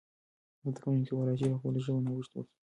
زده کوونکي کولای سي په خپله ژبه نوښت وکړي.